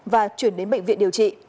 và chuyển đến bệnh viện điều trị